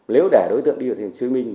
nếu để đối tượng đi vào thành phố hồ chí minh